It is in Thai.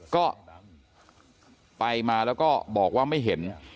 ก็ไปมาแล้วก็บอกว่าไม่เห็น